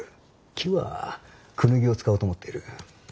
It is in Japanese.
木はクヌギを使おうと思っている。